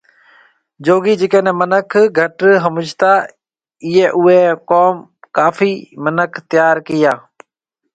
جوگي جڪي ني منک گھٽ ۿمجتا ايئي اوئي قوم ڪافي منک تيار ڪيئا